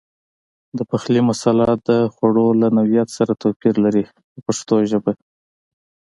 د پخلي مساله د خوړو له نوعیت سره توپیر لري په پښتو ژبه.